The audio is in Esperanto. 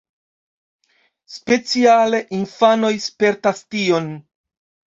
Speciale infanoj spertas tion.